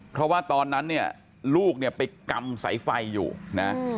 เพราะว่าตอนนั้นลูกไปกำสายไฟอยู่นะ